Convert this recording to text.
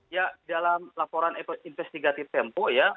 ya dalam laporan investigatif tempo ya